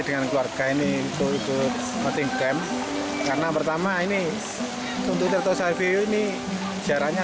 dengan keluarga ini untuk outing camp karena pertama ini untuk tirtosa review ini jaraknya